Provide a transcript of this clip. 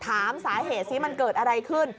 ถามสาเหตุสิมันเกิดอะไรขึ้น